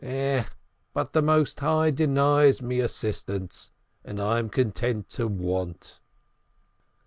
But the Most High denies me assistants, and I am content to want."